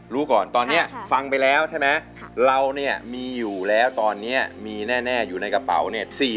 รู้ก่อนตอนนี้ฟังไปแล้วใช่ไหมเราเนี่ยมีอยู่แล้วตอนนี้มีแน่อยู่ในกระเป๋าเนี่ย